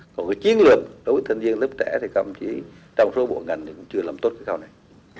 còn cái chiến lược đối với thanh niên lớp trẻ thì các ông chỉ trong số bộ ngành thì chưa làm tốt cái khóa này